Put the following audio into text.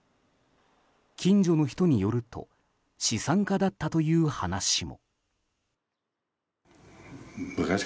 近所の人によると資産家だったという話も。